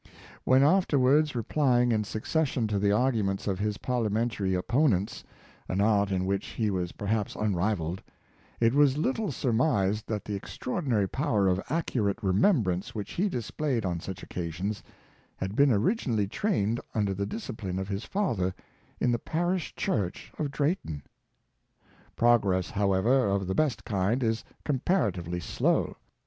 When afterwards replying in succession to the arguments of his parlia mentary opponents — an art in which he was perhaps unrivalled — it was little surmised that the extraordinary power of accurate remembrance which he displayed on such occasions, had been originally trained under the discipline of his father in the parish church of Drayton. Progress, however, of the best kind, is comparative ly slow.